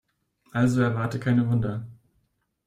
Also erwarte keine Wunder.